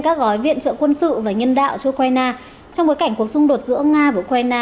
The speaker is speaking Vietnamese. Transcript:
các gói viện trợ quân sự và nhân đạo cho ukraine trong bối cảnh cuộc xung đột giữa nga và ukraine